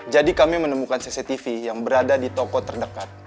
jadi kami menemukan cctv yang berada di toko terdekat